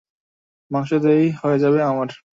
মাংসতেই হয়ে যাবে আমার।